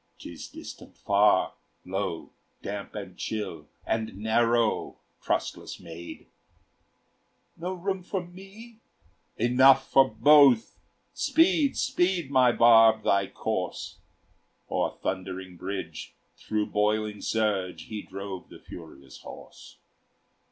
"'Tis distant far, low, damp, and chill, And narrow, trustless maid!" "No room for me?" "Enough for both; Speed, speed, my barb, thy course!" O'er thundering bridge, through boiling surge, He drove the furious horse.